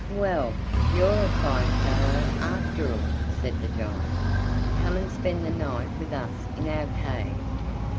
"Well, you're a fine fellow, after all," said the giant; "come and spend the night with us in our cave."